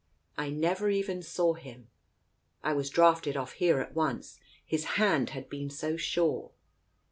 I never even saw him. I was drafted off here at once, his hand had been so sure."